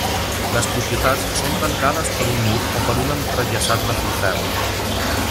Les propietats són tancades per un mur o per un entrellaçat de filferro.